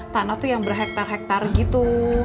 tanah tuh yang berhektar hektar gitu